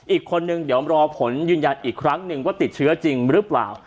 อีกคนนึงเดี๋ยวรอผลยืนยันอีกครั้งหนึ่งว่าติดเชื้อจริงหรือเปล่า